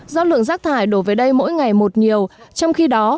do lượng rác thải đổ về đây mỗi ngày một nhiều trong khi đó